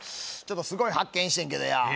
ちょっとすごい発見してんけどや。